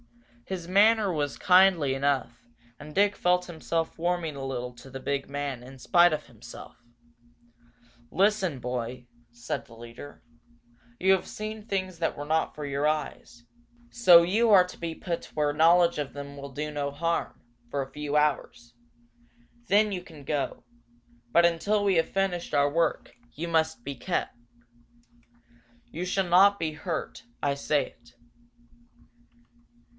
His manner was kindly enough, and Dick felt himself warming a little to the big man in spite of himself. "Listen, boy," said the leader. "You have seen things that were not for your eyes. So you are to be put where knowledge of them will do no harm for a few hours. Then you can go. But until we have finished our work, you must be kept. You shall not be hurt I say it."